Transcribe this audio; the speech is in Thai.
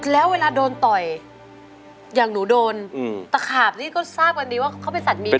แล้วเวลาโดนต่อยอย่างหนูโดนตะขาบนี่ก็ทราบกันดีว่าเขาเป็นสัตว์มี